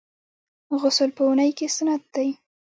غسل په اونۍ کي سنت دی.